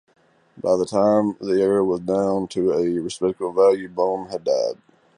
By the time the error was down to a respectable value, Bohm had died.